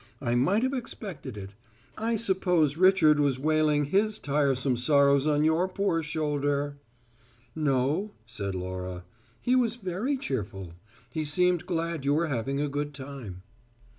I might have expected it. I suppose Richard was wailing his tiresome sorrows on your poor shoulder " "No," said Laura. "He was very cheerful. He seemed glad you were having a good time."